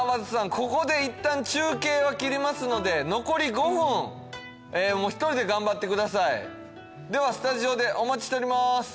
ここでいったん中継は切りますので残り５分一人で頑張ってくださいではスタジオでお待ちしております